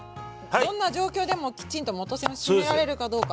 どんな状況でもきちんと元栓を閉められるかどうか。